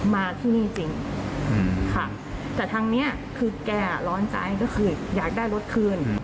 มาที่นี่จริงค่ะแต่ทางนี้คือแกร้อนใจก็คืออยากได้รถคืน